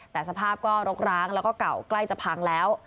แต่สภาพก็รกร้างแล้วก็เก่าใกล้จะพังแล้ว